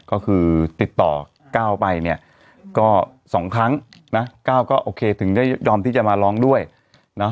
ก็คือติดต่อก้าวไปเนี่ยก็สองครั้งนะก้าวก็โอเคถึงได้ยอมที่จะมาร้องด้วยนะ